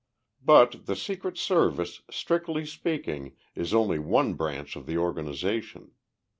"But the Secret Service, strictly speaking, is only one branch of the organization.